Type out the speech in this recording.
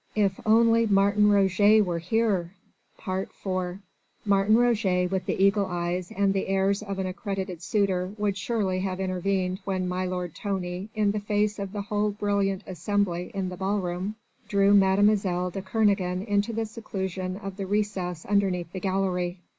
If only Martin Roget were here! IV Martin Roget with the eagle eyes and the airs of an accredited suitor would surely have intervened when my lord Tony in the face of the whole brilliant assembly in the ball room, drew Mlle. de Kernogan into the seclusion of the recess underneath the gallery.